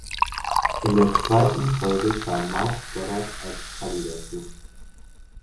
In der zweiten Folge kam Mark Goddard als Cully dazu.